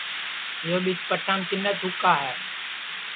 یو پیچ پٹام کِنے تُھکا ہے